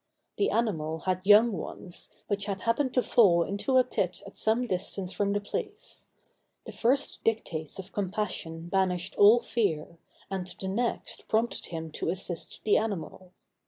The animal had young ones, which had happened to fall into a pit at some distance from the place. The first dictates of compassion banished all fear, and the next prompted him to assist the animal.